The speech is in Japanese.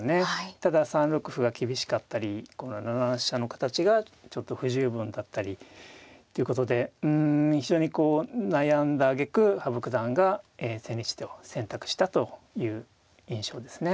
ただ３六歩が厳しかったり７七飛車の形がちょっと不十分だったりということでうん非常にこう悩んだあげく羽生九段が千日手を選択したという印象ですね。